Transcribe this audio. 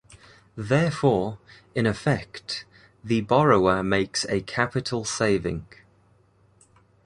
Therefore, in effect, the borrower makes a capital saving.